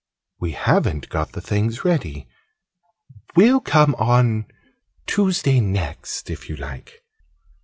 "We haven't got the things ready. We'll come on Tuesday next, if you like.